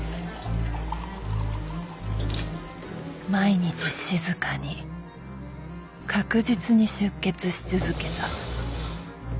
毎日静かに確実に出血し続けた。